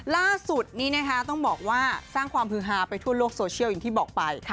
ล่าสุดนี้นะคะต้องบอกว่าสร้างความฮือฮาไปทั่วโลกโซเชียลอย่างที่บอกไป